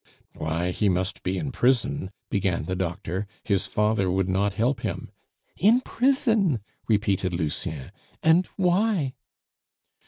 "Why, he must be in prison," began the doctor; "his father would not help him " "In prison!" repeated Lucien, "and why?"